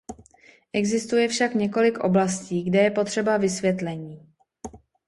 Existuje však několik oblastí, kde je potřeba vysvětlení.